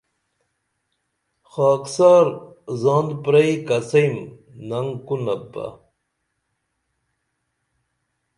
خاکسار زان پریئی کڅئیم ننگ کونپ بہ